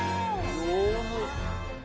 上手。